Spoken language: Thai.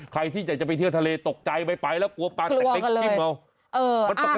ใครที่จะไปเที่ยวทะเลตกใจไปแล้วกลัวปลาแตะเป็นกลิ้มเอา